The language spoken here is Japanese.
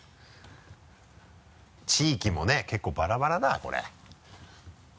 地域もね結構バラバラだこれ。